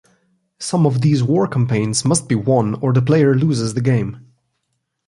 Some of these war campaigns must be won or the player loses the game.